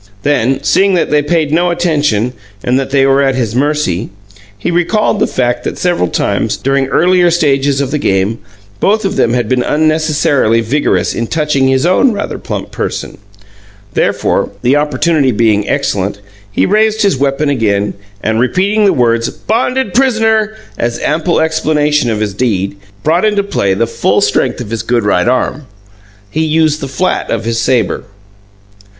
Then, seeing that they paid no attention and that they were at his mercy, he recalled the fact that several times, during earlier stages of the game, both of them had been unnecessarily vigorous in "touching" his own rather plump person. Therefore, the opportunity being excellent, he raised his weapon again, and, repeating the words "bonded pris'ner" as ample explanation of his deed, brought into play the full strength of his good right arm. He used the flat of the sabre.